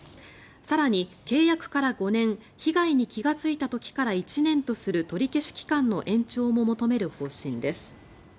更に、契約から５年被害に気がついた時から１年とする取り消し期間の延長も求める方針です。